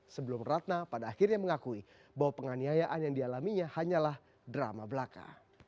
sebelum ratna pada akhirnya mengakui bahwa penganiayaan yang dialaminya hanyalah drama belaka